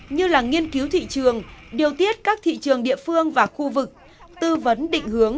như là nghiên cứu thị trường điều tiết các thị trường địa phương và khu vực tư vấn định hướng